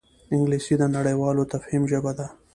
انګلیسي د نړیوال تفهیم ژبه ده